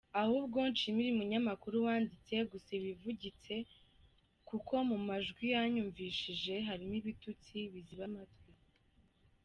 Ahubwo nshimire umunyamakuru wanditse gusa ibivugitse, kuko mu majwi yanyumvishije harimo ibitutsi biziba amatwi.